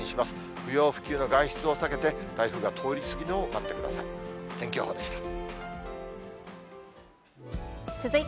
不要不急の外出を避けて、台風が通り過ぎるのを待ってください。